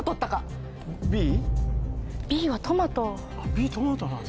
Ｂトマトなんだ。